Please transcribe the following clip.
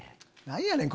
何やねん！